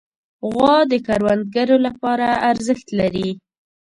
غوا د کروندګرو لپاره ارزښت لري.